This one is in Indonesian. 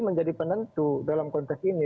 menjadi penentu dalam konteks ini